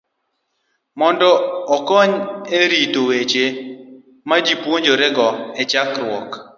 mondo okony e rito weche majipuonjorego e chokruok.